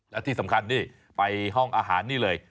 และที่สำคัญนี่ไปห้องอาหารนี่เลย